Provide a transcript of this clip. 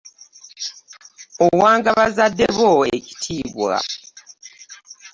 Owanga bazadde bo ekitiibwa.